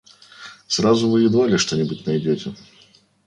Сразу вы едва ли что-нибудь найдете.